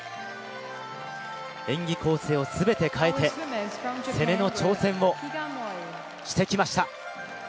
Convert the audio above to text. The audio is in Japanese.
演技構成を全て変えて、攻めの挑戦をしてきました。